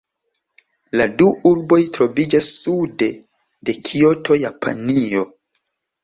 La du urboj troviĝas sude de Kioto, Japanio.